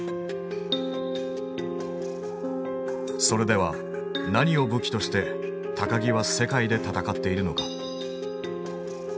それでは何を武器として木は世界で戦っているのか。